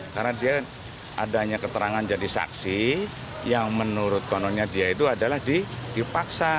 karena dia adanya keterangan jadi saksi yang menurut kononnya dia itu adalah dipaksa